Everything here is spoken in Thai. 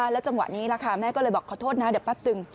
แล้วจังหวะนี้แม่ก็เลยบอกขอโทษนะเดี๋ยวปั๊บตึง